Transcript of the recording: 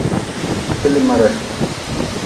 Kpilimre.